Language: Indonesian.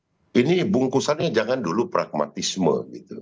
seperti yang saya sampaikan bahwa ini bungkusannya jangan dulu pragmatisme gitu